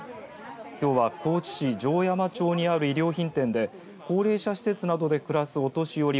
きょうは高知市城山町にある衣料品店で高齢者施設などで暮らすお年寄り